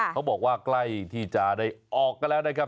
เขาบอกว่าใกล้ที่จะได้ออกกันแล้วนะครับ